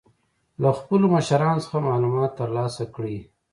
له خپلو مشرانو څخه معلومات تر لاسه کړئ.